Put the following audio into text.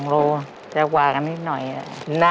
โลจะกว่ากันนิดหน่อย